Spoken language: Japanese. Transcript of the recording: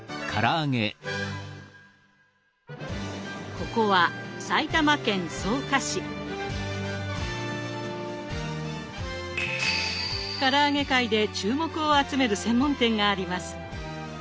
ここはから揚げ界で注目を集める専門店があります。